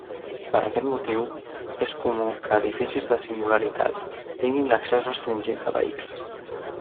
Per aquest motiu, és comú que edificis de singularitat tinguin l'accés restringit de vehicles.